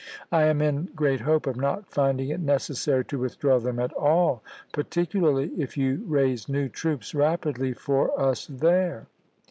I am in great hope of not finding it necessary to withdraw them at all, particularly if you raise new troops rapidly for us there."